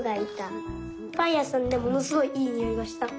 パンやさんでものすごいいいにおいがした。